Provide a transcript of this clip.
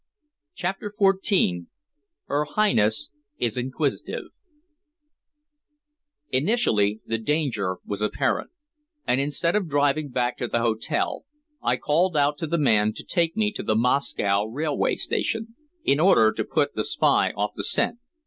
CHAPTER XIV HER HIGHNESS IS INQUISITIVE Instantly the danger was apparent, and instead of driving back to the hotel, I called out to the man to take me to the Moscow railway station, in order to put the spy off the scent.